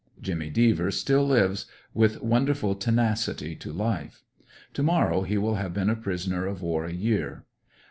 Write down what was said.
Jimmy Devers still lives, with wonderful tenacity to life To mor row he will have been a prisoner of war a year.